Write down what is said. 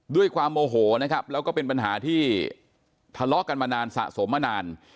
ด้วยความโมโหนะครับแล้วก็เป็นปัญหาที่ทะเลาะกันมานานสะสมมานาน